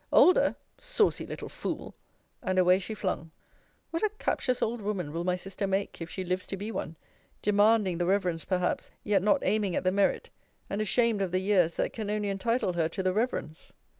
Older! saucy little fool! And away she flung. What a captious old woman will my sister make, if she lives to be one! demanding the reverence, perhaps, yet not aiming at the merit; and ashamed of the years that can only entitle her to the reverence.